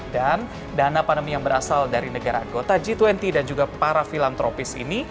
dan dana pandemi yang berasal dari negara gota g dua puluh dan juga para filantropis ini